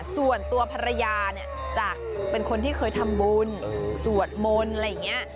ส่วนตัวภรรยาเนี่ยจากเป็นคนที่เคยทำบุญสวดมนต์อะไรอย่างนี้